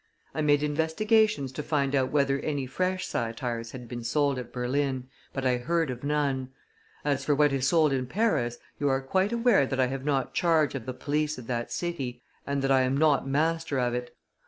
I made investigations to find out whether any fresh satires had been sold at Berlin, but I heard of none; as for what is sold in Paris, you are quite aware that I have not charge of the police of that city, and that I am not master of it.